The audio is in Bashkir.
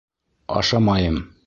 — Ашамайым...